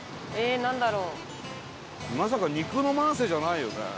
まさか肉の万世じゃないよね？